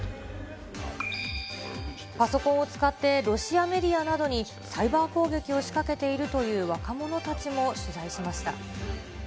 パソコンを使ってロシアメディアなどにサイバー攻撃を仕掛けているという若者たちも取材しました。